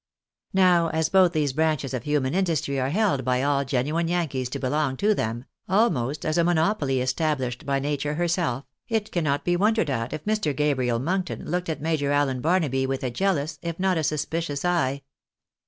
Now, as both these branches of human industry are held by all genuine Yankees to belong to them, almost as a monopoly estab lished by nature herself, it cannot be wondered at if Mr. Gabriel Monkton looked at Major Allen Barnaby with a jealous, if not a suspicious, eye.